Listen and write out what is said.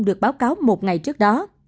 được báo cáo một ngày trước đó